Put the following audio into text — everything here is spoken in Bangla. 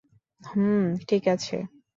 হুমম ঠিক আছে।